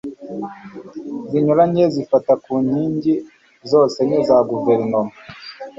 zinyuranye zifata ku nkingi zose enye za Guverinoma